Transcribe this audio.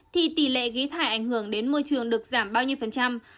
thì tỷ lệ khí thải ảnh hưởng đến môi trường được giảm bao nhiêu phần trăm